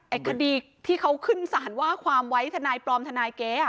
คดีที่เขาขึ้นสารว่าความไว้ทนายปลอมทนายเก๊